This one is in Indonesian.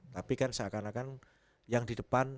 tapi kan seakan akan yang di depan